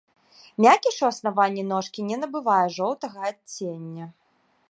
Мякіш у аснаванні ножкі не набывае жоўтага адцення.